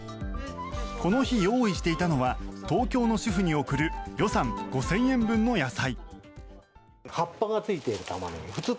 この日、用意していたのは東京の主婦に送る予算５０００円分の野菜。